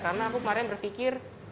karena aku kemarin berpikir